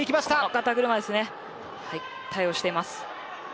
肩車で対応しています。